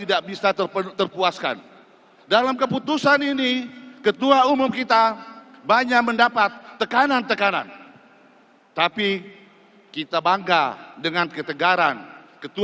assalamualaikum warahmatullahi wabarakatuh